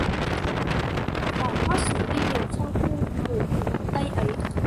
Phải khoác súng đi đều trong khu mổ của bọn tây ấy